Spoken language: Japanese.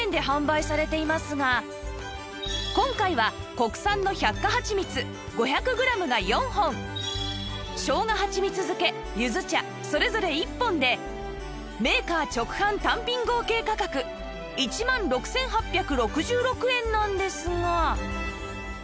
今回は国産の百花はちみつ５００グラムが４本生姜蜂蜜漬ゆず茶それぞれ１本でメーカー直販単品合計価格１万６８６６円なんですが